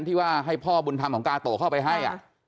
ที่ว่าให้พ่อบุญธรรมของกาโตเข้าไปให้